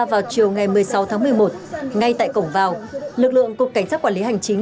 vào chiều ngày một mươi sáu tháng một mươi một ngay tại cổng vào lực lượng cục cảnh sát quản lý hành chính